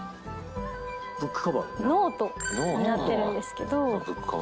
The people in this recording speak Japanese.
ノートになってるんですけど。